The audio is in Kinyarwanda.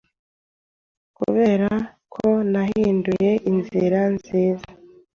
Kuberako nahinduye inzira nziza